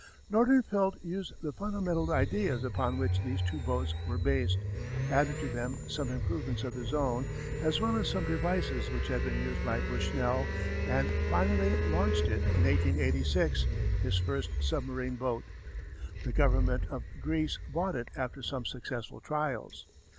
Nordenfeldt used the fundamental ideas upon which these two boats were based, added to them some improvements of his own as well as some devices which had been used by Bushnell, and finally launched in 1886 his first submarine boat. The government of Greece bought it after some successful trials.